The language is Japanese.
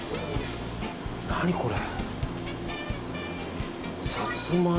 何これ？